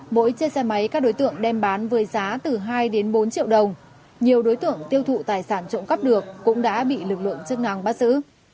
mỗi chiếc xe máy các đối tượng đem bán với giá từ hai đến bốn triệu đồng nhiều đối tượng tiêu thụ tài sản trộm cắp được cũng đã bị lực lượng chức năng bắt giữ